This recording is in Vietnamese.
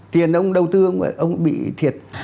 tiền ông đầu tư ông bị thiệt